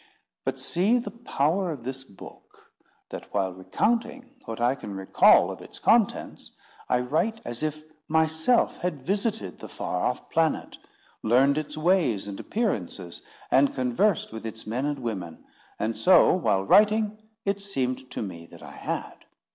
But see the power of this book, that, while recounting what I can recall of its contents, I write as if myself had visited the far off planet, learned its ways and appearances, and conversed with its men and women. And so, while writing, it seemed to me that I had.